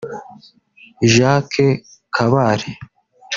Jacques Kabale